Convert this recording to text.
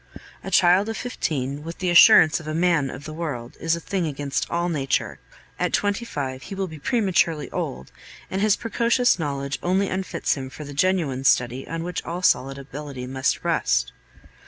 A child of fifteen with the assurance of a man of the world is a thing against all nature; at twenty five he will be prematurely old, and his precocious knowledge only unfits him for the genuine study on which all solid ability must rest.